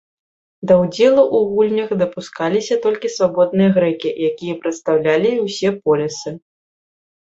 Да ўдзелу ў гульнях дапускаліся толькі свабодныя грэкі, якія прадстаўлялі ўсе полісы.